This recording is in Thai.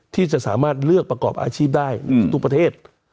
ที่จะสามารถเลือกประกอบอาชีพได้ทุกประเทศ